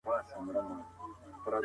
دا پروسه د لسو کالو څخه زياته موده نيسي.